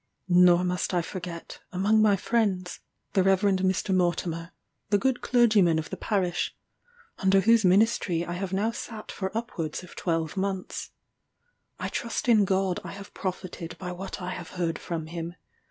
Nor must I forget, among my friends, the Rev. Mr. Mortimer, the good clergyman of the parish, under whose ministry I have now sat for upwards of twelve months. I trust in God I have profited by what I have heard from him.